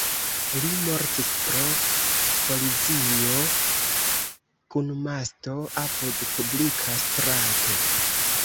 Li mortis pro kolizio kun masto apud publika strato.